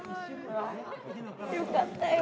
よかったよ。